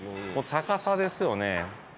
高さですよね。